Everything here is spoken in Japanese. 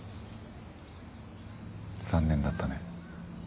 残念だったね。